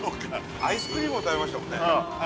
アイスクリームも食べましたもんねああ